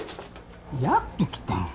やっと来た。